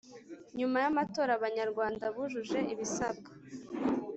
nyuma y amatora Abanyarwanda bujuje ibisabwa.